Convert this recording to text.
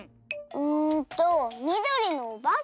うんとみどりのおばけ？